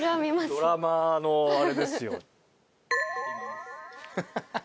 ドラマーのあれですよ。ハハハ。